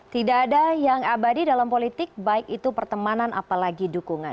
tidak ada yang abadi dalam politik baik itu pertemanan apalagi dukungan